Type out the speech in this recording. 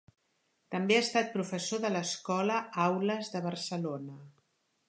També ha estat professor de l'escola Aules de Barcelona.